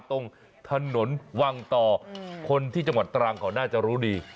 ตรงถนนวังต่อคนที่จังหวัดตรังเขาน่าจะรู้ดี